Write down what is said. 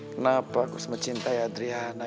kenapa aku mencintai adriana